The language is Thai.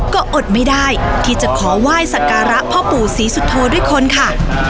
ก็อดไม่ได้ที่จะขอไหว้สักการะพ่อปู่ศรีสุโธด้วยคนค่ะ